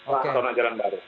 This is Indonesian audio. tahun tahun jalan baru